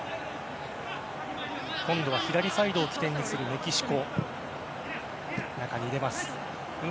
今度は左サイドを起点にするメキシコ。